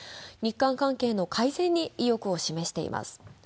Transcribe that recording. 日韓関係の改善に意欲を示しています。